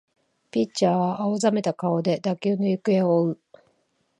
ピッチャーは青ざめた顔で打球の行方を追う